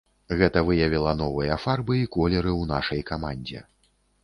Гэта выявіла новыя фарбы і колеры ў нашай камандзе.